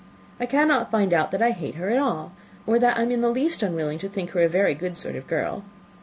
I cannot find out that I hate her at all, or that I am in the least unwilling to think her a very good sort of girl.